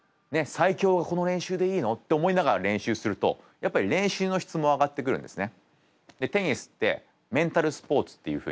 最強がこの練習でいいのって思いながら練習するとやっぱり練習の質も上がってくるんですね。